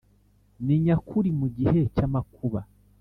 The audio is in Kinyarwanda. Ni nyakuri mu gihe cy amakuba